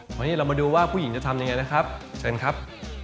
วันนี้เรามาดูว่าผู้หญิงจะทำยังไงนะครับเชิญครับ